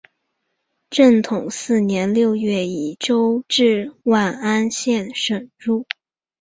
正统四年六月以州治万安县省入。